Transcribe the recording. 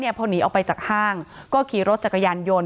พอหนีออกไปจากห้างก็ขี่รถจักรยานยนต์